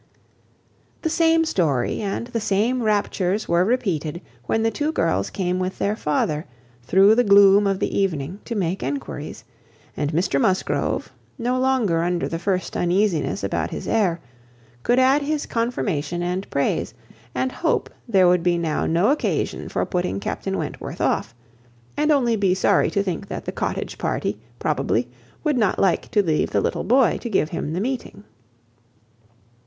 The same story and the same raptures were repeated, when the two girls came with their father, through the gloom of the evening, to make enquiries; and Mr Musgrove, no longer under the first uneasiness about his heir, could add his confirmation and praise, and hope there would be now no occasion for putting Captain Wentworth off, and only be sorry to think that the cottage party, probably, would not like to leave the little boy, to give him the meeting.